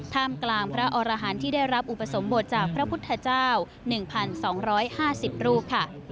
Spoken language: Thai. ท่ามกลางพระอรหารที่ได้รับอุปสมบทจากพระพุทธเจ้า๑๒๕๐รูปค่ะ